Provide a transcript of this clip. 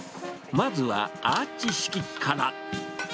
まずはアーチ式から。